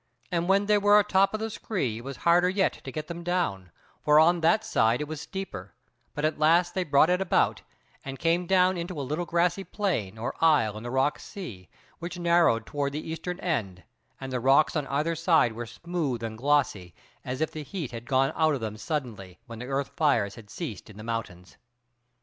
And when they were atop of the scree it was harder yet to get them down, for on that side it was steeper; but at last they brought it about, and came down into a little grassy plain or isle in the rock sea, which narrowed toward the eastern end, and the rocks on either side were smooth and glossy, as if the heat had gone out of them suddenly, when the earth fires had ceased in the mountains.